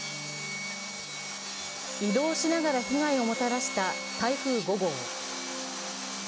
移動しながら被害をもたらした台風５号。